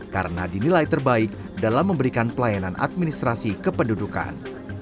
karena dinilai terbaik dalam memberikan pelayanan administrasi kependudukan